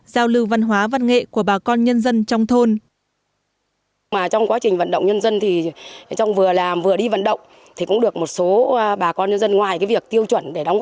giao lưu văn hóa văn nghệ của bà con nhân dân trong thôn